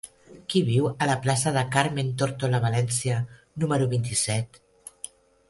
Qui viu a la plaça de Carmen Tórtola Valencia número vint-i-set?